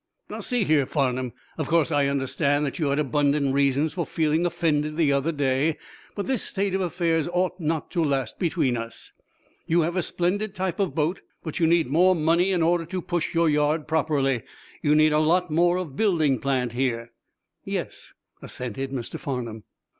Now, see here, Farnum, of course I understand that you had abundant reasons for feeling offended the other day. But this state of affairs ought not to last between us. You have a splendid type of boat, but you need more money in order to push your yard properly. You need a lot more of building plant here." "Yes," assented Mr. Farnum.